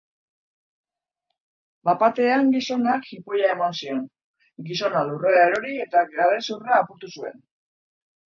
Bat-batean gizonak jipoia eman zion, gizona lurrera erori eta garezurra apurtu zuen.